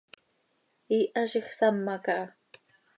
Iiha z iij sama caha.